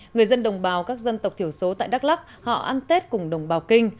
người dân đồng bào các dân tộc thiểu số tại đắk lắc họ ăn tết cùng đồng bào kinh